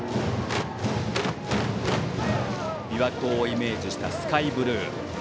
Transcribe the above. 琵琶湖をイメージしたスカイブルー。